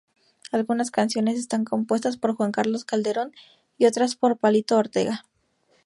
Algunas canciones están compuestas por Juan Carlos Calderón y otras por Palito Ortega.